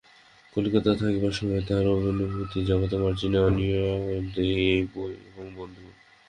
কলিকাতায় থাকিবার সময় তাহার অনুভূতির জগতে মার্জনা আনিয়া দেয় বই এবং বন্ধু।